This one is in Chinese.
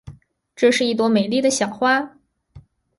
这是朵美丽的小花。